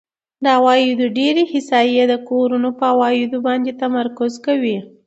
د عوایدو ډېری احصایې د کورونو په عوایدو باندې تمرکز کوي